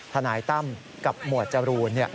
ทนายตั้มกับหมวดจรูน